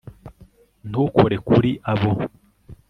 ntukore kuri abo